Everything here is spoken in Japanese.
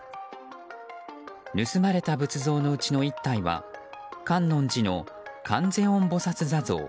盗まれた仏像のうちの１体は観音寺の観世音菩薩坐像。